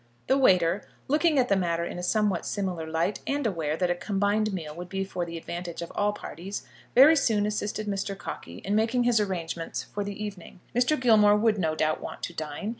The waiter, looking at the matter in a somewhat similar light, and aware that a combined meal would be for the advantage of all parties, very soon assisted Mr. Cockey in making his arrangements for the evening. Mr. Gilmore would no doubt want to dine.